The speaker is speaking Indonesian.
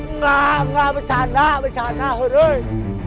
enggak enggak bercanda bercanda urus